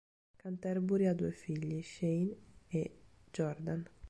Canterbury ha due figli, Shane e Jordan.